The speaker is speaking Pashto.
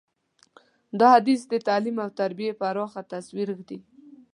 دا حدیث د تعلیم او تربیې پراخه تصویر ږدي.